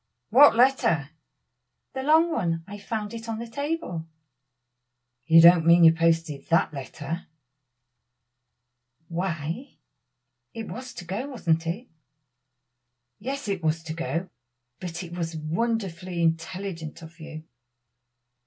what letter?" "The long one. I found it on the table." "You don't mean you posted that letter?" "Why, it was to go, wasn't it?" "Yes, it was to go, but it was wonderfully intelligent of you."